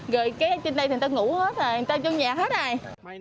rồi cái trên đây thì người ta ngủ hết rồi người ta chung nhà hết rồi